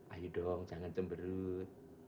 ayo dong jangan cemberut